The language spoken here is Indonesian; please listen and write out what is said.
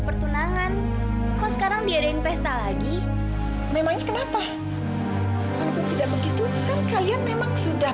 pertunangan kok sekarang diadain pesta lagi memangnya kenapa walaupun tidak begitu kan kalian memang sudah